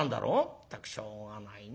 まったくしょうがないね。